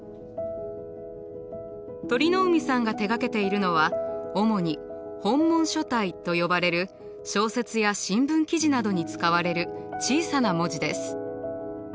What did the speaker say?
鳥海さんが手がけているのは主に本文書体と呼ばれる小説や新聞記事などに使われる小さな文字です。